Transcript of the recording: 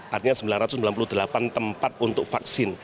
artinya sembilan ratus sembilan puluh delapan tempat untuk vaksin